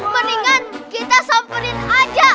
mendingan kita samperin aja